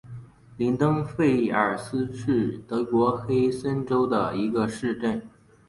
林登费尔斯是德国黑森州的一个市镇。